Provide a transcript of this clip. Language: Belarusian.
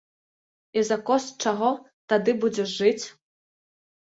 І за кошт чаго тады будзеш жыць?